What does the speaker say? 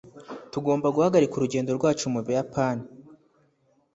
tugomba guhagarika urugendo rwacu mu buyapani